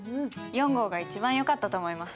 ４号が一番よかったと思います。